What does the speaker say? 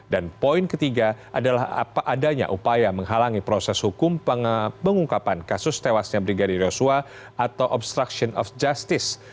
dan poin ketiga adalah adanya upaya menghalangi proses hukum pengungkapan kasus tewasnya brigadir yosua atau obstruction of justice